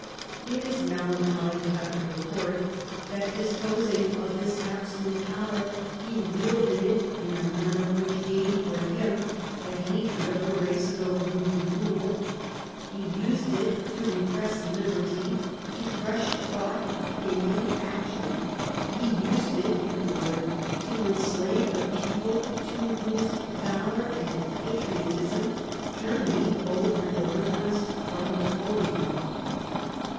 It is melancholy to have to record that, disposing of this absolute power, he wielded it in a manner which gained for him the hatred of the races over whom he ruled : he used it to repress liberty, to crush thought, opinion, action ; he used it, in a word, to enslave the people to whose valour and pa triotism Germany owed her deliverance from Kapoleon.